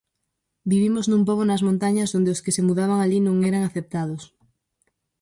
Vivimos nun pobo nas montañas onde os que se mudaban alí non eran aceptados.